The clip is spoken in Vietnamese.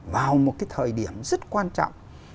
vào một thời điểm rất quan trọng